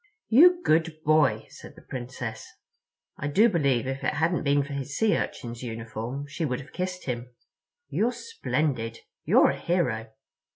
"You good boy," said the Princess. I do believe if it hadn't been for his Sea Urchin's uniform she would have kissed him. "You're splendid. You're a hero.